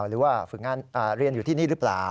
หรือว่าฝึกงานเรียนอยู่ที่นี่หรือเปล่า